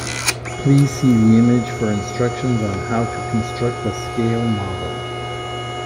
Please see the image for instructions on how to construct a scale model.